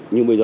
nhưng bây giờ